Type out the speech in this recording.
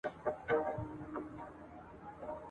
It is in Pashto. او پر مځکه دي وجود زیر و زبر سي ..